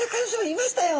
いましたよ